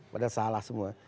padahal salah semua